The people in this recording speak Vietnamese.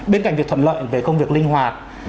bên cạnh việc thuận lợi về công việc linh hoạt